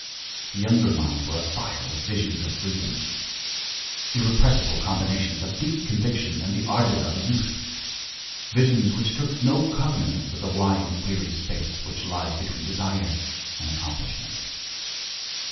The younger minds were afire with visions of freedom, irrepressible combinations of deep conviction and the ardor of youth, visions which took no cognizance of the wide and weary space which lies between desire and accomplishment.